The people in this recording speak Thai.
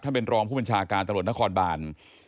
ท่านเป็นรองผู้บัญชาการตลอดนครบาล